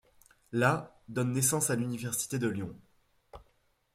La donne naissance à l'université de Lyon.